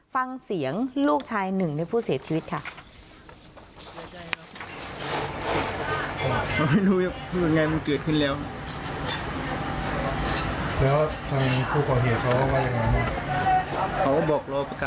ฟังเสียงลูกชายหนึ่งในผู้เสียชีวิตค่ะ